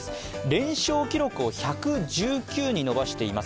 連勝記録を１１９に伸ばしています。